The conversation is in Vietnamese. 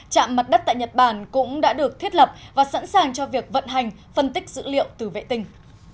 trạm mặt đất tại nhật bản cũng đã được thiết lập và sẵn sàng cho việc vận hành phân tích dữ liệu từ vệ tinh